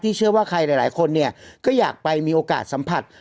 เชื่อว่าใครหลายคนเนี่ยก็อยากไปมีโอกาสสัมผัส